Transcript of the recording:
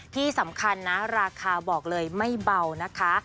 ที่สำคัญนะราคาบอกเลยไม่เบานะคะ